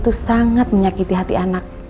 tunggu ini zoda